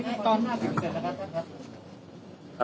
ต้องขึ้น๕๐เปอร์เซ็นต์แล้วครับ